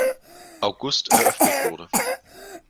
August eröffnet wurde.